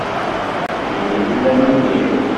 Din i llan imir?